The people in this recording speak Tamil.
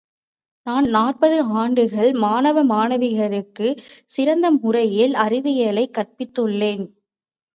நான் நாற்பது ஆண்டுகள் மாணவமாணவியர்க்குச் சிறந்த முறையில் அறிவியலைக் கற்பித்துள்ளேன்.